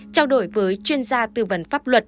trao đổi với chuyên gia tư vấn pháp luật